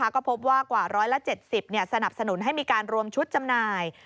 ก็พบว่ากว่า๑๗๐สนับสนุนให้มีการรวมชุดจำหน่าย